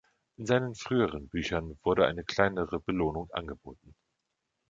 In seinen früheren Büchern wurde eine kleinere Belohnung angeboten.